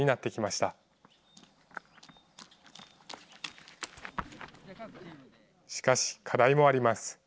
しかし、課題もあります。